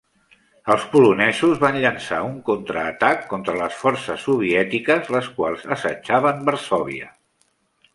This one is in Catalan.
Els polonesos van llançar un contraatac contra les forces soviètiques, les quals assetjaven Varsòvia.